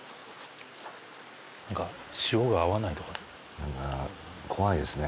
何か「塩が合わない」とか怖いですね